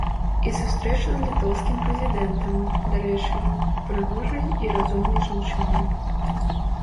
І сустрэча з літоўскім прэзідэнтам, дарэчы, прыгожай і разумнай жанчынай.